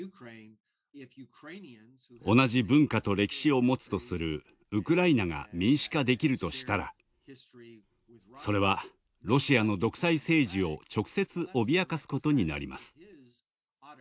同じ文化と歴史を持つとするウクライナが民主化できるとしたらそれはロシアの独裁政治を直接、脅かすことになります。